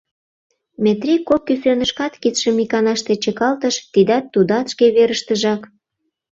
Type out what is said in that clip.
Метрий кок кӱсенышкат кидшым иканаште чыкалтыш: тидат-тудат шке верыштыжак.